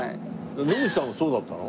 野口さんもそうだったの？